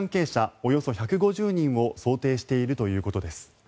およそ１５０人を想定しているということです。